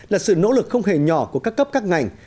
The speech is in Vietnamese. là sự nỗ lực không hề nhỏ của các cấp các ngành